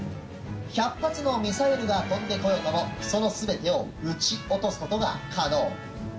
１００発のミサイルが飛んでこようとも、そのすべてを打ち落とすことが可能。